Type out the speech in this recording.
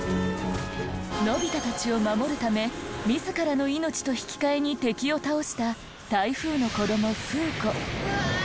のび太たちを守るため自らの命と引き換えに敵を倒した台風の子どもフー子。